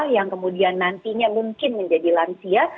yang kemudian nantinya mungkin menjadi lansia